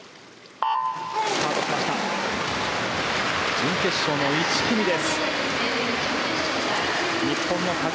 準決勝の１組です。